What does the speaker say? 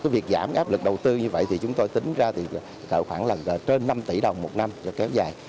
việc giảm áp lực đầu tư như vậy chúng tôi tính ra khoảng trên năm tỷ đồng một năm cho kéo dài